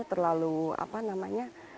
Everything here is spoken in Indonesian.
terlalu apa namanya